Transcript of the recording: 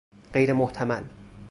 غیر محتمل